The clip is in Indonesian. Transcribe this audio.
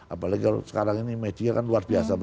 apalagi kalau sekarang ini media kan luar biasa